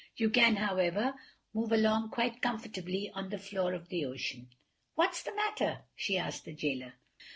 You can, however, move along quite comfortably on the floor of the ocean. What's the matter?" she asked the Jailer.